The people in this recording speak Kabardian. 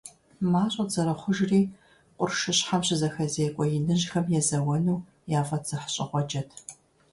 МащӀэт зэрыхъужри, къуршыщхьэм щызэхэзекӀуэ иныжьхэм езэуэну яфӀэдзыхьщӀыгъуэджэт.